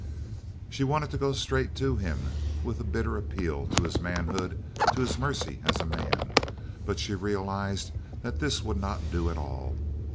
She wanted to go straight to him with a bitter appeal to his manhood, to his mercy as a man. But she realized that this would not do at all.